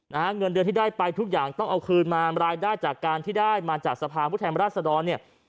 เงินเดือนที่ได้ไปทุกอย่างต้องเอาคืนมารายได้จากการที่ได้มาจากสภาพผู้แทนราชดรเนี่ย